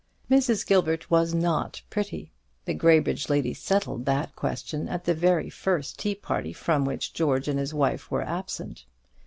Mrs. Gilbert was not pretty. The Graybridge ladies settled that question at the very first tea party from which George and his wife were absent.